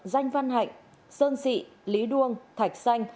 danh văn hạnh sơn sị lý đuông thạch xanh